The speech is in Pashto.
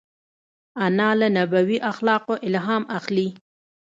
انا له نبوي اخلاقو الهام اخلي